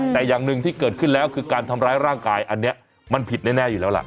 แต่อย่างหนึ่งที่เกิดขึ้นแล้วคือการทำร้ายร่างกายอันนี้มันผิดแน่อยู่แล้วล่ะ